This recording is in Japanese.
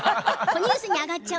ニュースに上がっちゃう。